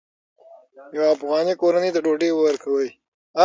یوه افغاني کورنۍ ته ډوډۍ ورکوئ.